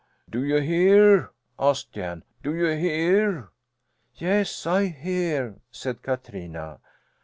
"Do you hear?" asked Jan. "Do you hear?" "Yes, I hear," said Katrina.